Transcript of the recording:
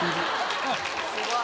すごい。